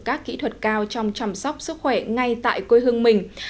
các kỹ thuật cao trong chăm sóc sức khỏe ngay tại quê hương mình